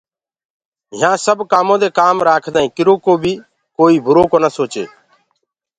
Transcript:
يهآنٚ سب ڪآمودي ڪآم رآکدآئينٚ ڪرو ڪو بيٚ ڪوئيٚ برو ڪونآ سوچي